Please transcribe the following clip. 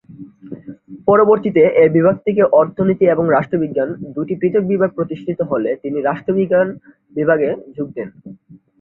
পরবর্তীতে এ বিভাগ থেকে অর্থনীতি এবং রাষ্ট্রবিজ্ঞান দুটি পৃথক বিভাগ প্রতিষ্ঠিত হলে তিনি রাষ্ট্রবিজ্ঞান বিভাগে যোগ দেন।